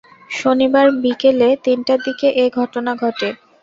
শনিবার বিকেলে তিনটার দিকে এ ঘটনা ঘটে।